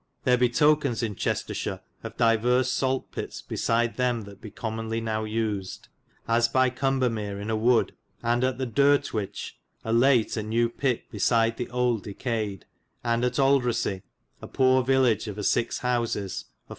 There be tokens in Chestershire of dyverse salt pitts be fo. no. syde them that be commonly now usyd; as by Cumbermere in a wood, and at the Dyrte Wiche ^ a late a new pitte besyde the old decayed, and at Aldresey a poore village of a 6. howses a 4.